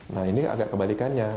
nah ini agak kebalikannya